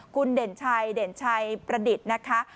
คุณเด่นชัยเด่นชัยประดิษฐ์นะคะ